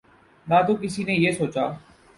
نہ تو کسی نے یہ سوچا